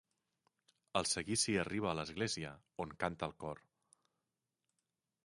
El seguici arriba a l'església, on canta el cor.